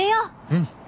うん。